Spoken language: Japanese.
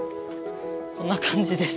こんな感じです。